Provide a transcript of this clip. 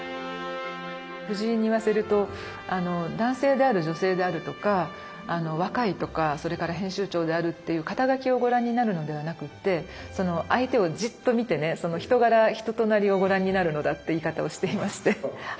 男性である女性であるとか若いとかそれから編集長であるっていう肩書をご覧になるのではなくって相手をじっと見てねその人柄人となりをご覧になるのだって言い方をしていましてはい。